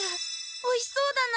おいしそうだな。